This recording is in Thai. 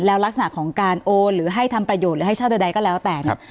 แล้วลักษณะของการโอนหรือให้ทำประโยชน์หรือให้เช่าใดก็แล้วแต่เนี่ย